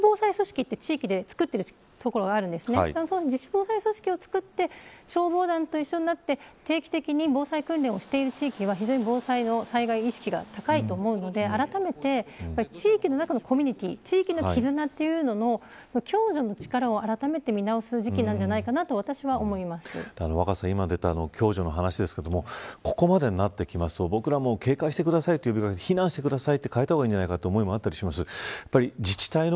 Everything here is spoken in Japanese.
自主防災組織って地域で作ってるところがあるんですが自主防災組織を作って消防団と一緒になって定期的に防災訓練をしている地域は防災意識が高いと思うのであらためて地域の中のコミュニティ地域のきずなというものの共助の力をあらためて見直す時期なんじゃないかと若狭さん、共助の話ですがここまでになると、僕らも警戒してくださいというより避難してくださいというふうに変えた方がいいんじゃないかと思います。